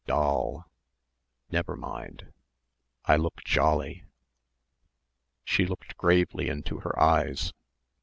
Doll! Never mind. I look jolly. She looked gravely into her eyes....